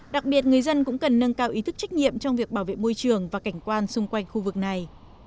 đặc biệt người dân cũng cần nâng cao ý thức trách nhiệm trong việc bảo vệ môi trường và cảnh quan xung quanh khu vực này